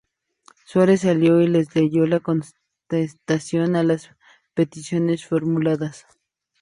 Suárez salió y les leyó la contestación a las peticiones formuladas.